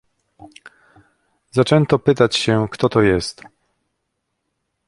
"Zaczęto pytać się: kto to jest?"